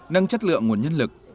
nâng chất lượng nguồn nhân lực